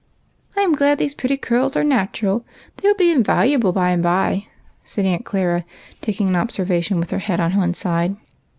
" I am glad these pretty curls are natural ; they will be invaluable by and by," said Aunt Clara, taking an observation with her head on one side.